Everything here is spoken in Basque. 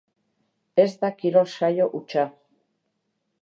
Ez da kirol saio hutsa.